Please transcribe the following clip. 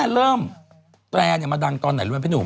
เริ่มแตรมาดังตอนไหนรู้ไหมพี่หนุ่ม